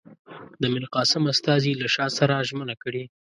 د میرقاسم استازي له شاه سره ژمنه کړې.